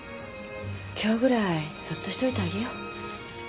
今日ぐらいそっとしといてあげよう。